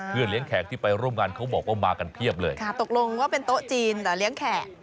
เลี้ยงแขกที่ไปร่วมงานเขาบอกว่ามากันเพียบเลยค่ะตกลงว่าเป็นโต๊ะจีนแต่เลี้ยงแขก